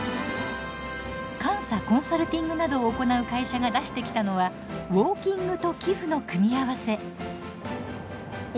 監査・コンサルティングなどを行う会社が出してきたのはウォーキングと寄付の組み合わせ。